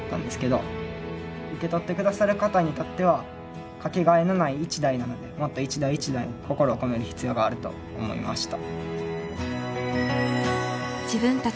受け取ってくださる方にとっては掛けがえのない一台なのでもっと一台一台に心を込める必要があると思いました。